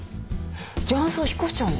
雀荘引っ越しちゃうの？